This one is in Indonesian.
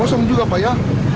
kosong juga pak ya